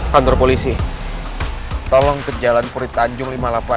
hunter polisi tolong ke jalan puritanjung lima puluh delapan